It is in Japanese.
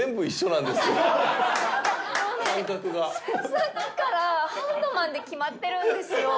さっきからハンドマンで決まってるんですよ。